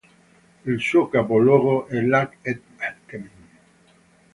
Il suo capoluogo è Lac-Etchemin.